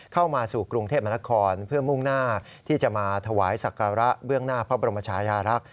เข้ามาสู่กรุงเทพมนครเพื่อมุ่งหน้าที่จะมาถวายศักระเบื้องหน้าพระบรมชายารักษ์